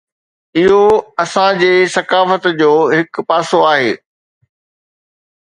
اهو اسان جي ثقافت جو هڪ پاسو آهي.